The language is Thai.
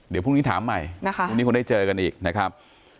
เดี๋ยวพรุ่งนี้ถามใหม่นะคะพรุ่งนี้คงได้เจอกันอีกนะครับ